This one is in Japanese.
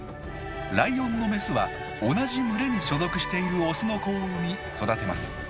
ライオンのメスは同じ群れに所属しているオスの子を産み育てます。